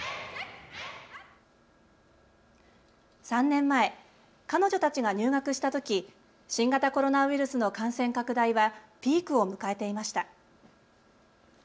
３年前、彼女たちが入学したとき新型コロナウイルスの感染拡大はピークを迎えていました。